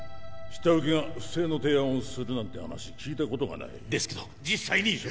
下請けが不正の提案をするなんて話聞いたことがないですけど実際に！